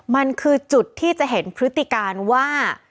มันคือจุดที่จะเห็นพฤติการว่า